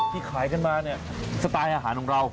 ที่ขายขึ้นมาสไตล์อาหารของเรา